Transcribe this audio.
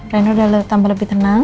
reinhard udah tambah lebih tenang